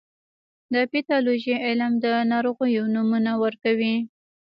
د پیتالوژي علم د ناروغیو نومونه ورکوي.